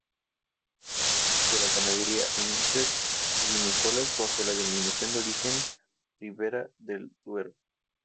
Agricultura, ganadería e industrias vinícolas bajo la Denominación de Origen Ribera del Duero.